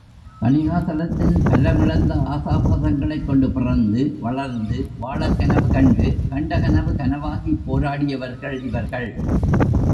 தணிகாசலத்தின் பலமிழந்த ஆசாபாசங்ளைக் கொண்டு பிறந்து, வளர்ந்து, வாழக் கனவுகண்டு, கண்ட கனவு கனவாகிப் போராடியவர்கள் இவர்கள்!